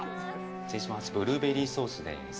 失礼しますブルーベリーソースです。